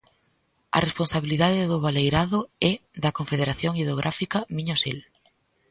A responsabilidade do baleirado é da Confederación Hidrográfica Miño-Sil.